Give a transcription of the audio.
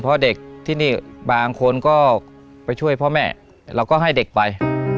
เพราะเด็กที่นี่บางคนก็ไปช่วยพ่อแม่เราก็ให้เด็กไป